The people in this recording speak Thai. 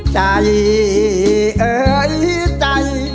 ใจเอ่ยใจ